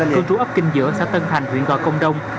cư trú ấp kinh giữa xã tân thành huyện gò công đông